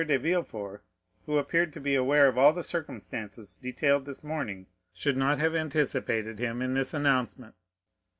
de Villefort, who appeared to be aware of all the circumstances detailed this morning, should not have anticipated him in this announcement."